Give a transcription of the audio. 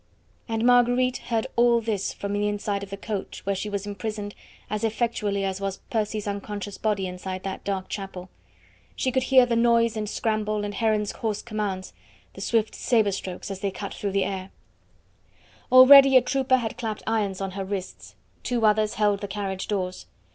And Marguerite heard all this from the inside of the coach where she was imprisoned as effectually as was Percy's unconscious body inside that dark chapel. She could hear the noise and scramble, and Heron's hoarse commands, the swift sabre strokes as they cut through the air. Already a trooper had clapped irons on her wrists, two others held the carriage doors.